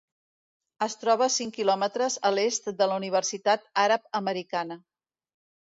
Es troba a cinc quilòmetres a l'est de la Universitat Àrab Americana.